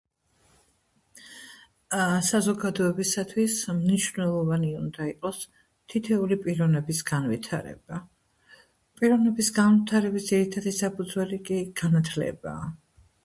საზოგადეობისათვის მნიშვნელოვანი უნდა იყოს თითოეული პიროვნების განვითარება, პიროვნების განვითარების ერთ-ერთი საფუძველი კი განათლებაა.